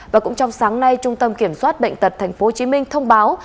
và cũng trong sáng nay trung tâm kiểm soát bệnh tật tp hcm thông báo